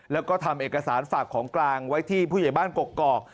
แล้วก็ทำเอกสารฝากของกลางไว้ที่ผู้ใหญ่บ้านกกอก